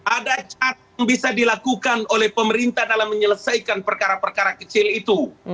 ada cara yang bisa dilakukan oleh pemerintah dalam menyelesaikan perkara perkara kecil itu